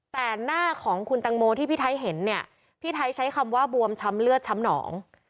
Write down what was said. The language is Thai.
แต่หน้าของคุณตังโมที่พี่ไทยเห็นเนี่ยพี่ไทยใช้คำว่าบวมช้ำเลือดช้ำหนอง